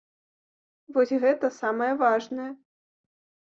Вось гэта самае важнае.